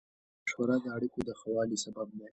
مشوره د اړیکو د ښه والي سبب دی.